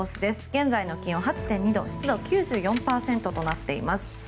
現在の気温は８．２度湿度、９４％となっています。